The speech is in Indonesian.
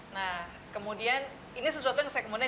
nah kemudian ini sesuatu yang saya kemudian